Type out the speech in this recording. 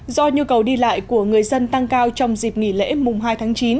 do nhu cầu đi lại của người dân tăng cao trong dịp nghỉ lễ mùng hai tháng chín